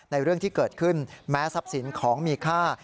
เรื่องที่เกิดขึ้นแม้ทรัพย์สินของมีค่า